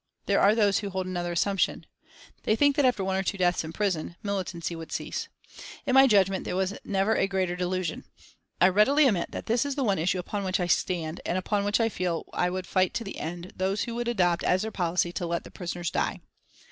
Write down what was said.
There are those who hold another assumption. They think that after one or two deaths in prison militancy would cease. In my judgment there was never a greater delusion. I readily admit that this is the issue upon which I stand and upon which I feel I would fight to the end those who would adopt as their policy to let the prisoners die.